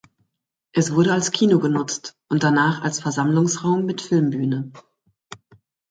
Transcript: Es wurde als Kino genutzt und danach als Versammlungsraum mit Filmbühne.